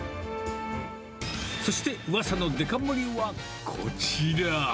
そして、うわさのデカ盛りはこちら。